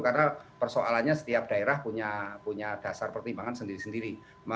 karena persoalannya setiap daerah punya dasar pertimbangan sendiri sendiri